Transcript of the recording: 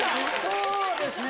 そうですね